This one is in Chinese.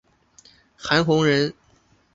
韩弘人。